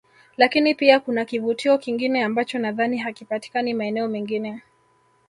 Lakini pia kuna kivutio kingine ambacho nadhani hakipatikani maeneo mengine